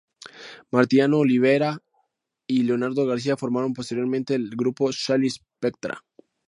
Martiniano Olivera y Leonardo García formaron posteriormente el grupo "Sally Spectra".